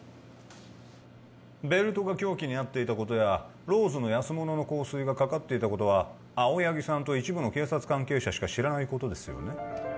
ベルトが凶器になっていたことやローズの安物の香水がかかっていたことは青柳さんと一部の警察関係者しか知らないことですよね